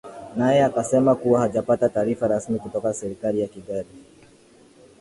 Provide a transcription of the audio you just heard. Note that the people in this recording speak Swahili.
naye akasema kuwa hajapata taarifa rasmi kutoka serikali ya kigali